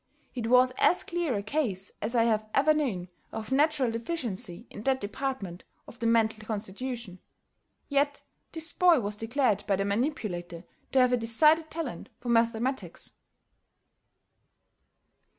It was as clear a case as I have ever known of natural deficiency in that department of the mental constitution. Yet this boy was declared by the manipulator to have a decided talent for mathematics.